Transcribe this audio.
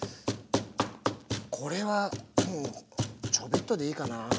これはもうちょっとでいいかな。